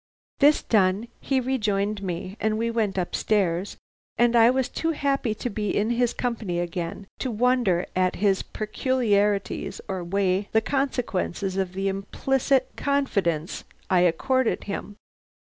"This done, he rejoined me, and we went up stairs, and I was too happy to be in his company again to wonder at his peculiarities or weigh the consequences of the implicit confidence I accorded him.